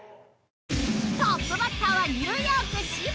トップバッターはニューヨーク嶋佐